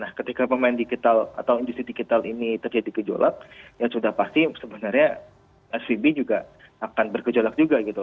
nah ketika pemain digital atau industri digital ini terjadi gejolak ya sudah pasti sebenarnya svb juga akan bergejolak juga gitu